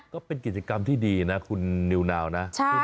ก็เป็นกิจกรรมที่ดีนะคุณนิวนาวนะ